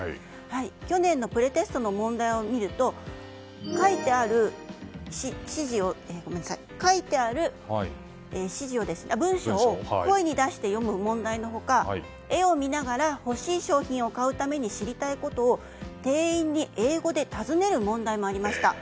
去年のプレテストの問題を見ると書いてある文章を声に出して読む問題の他絵を見ながら欲しい商品を買うために知りたいことを店員に英語で尋ねる問題もありました。